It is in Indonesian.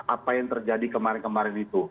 apa yang terjadi kemarin kemarin itu